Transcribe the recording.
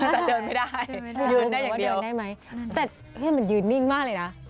แต่เดินไม่ได้ยืนได้อย่างเดียวได้ไหมแต่นี่มันยืนนิ่งมากเลยนะ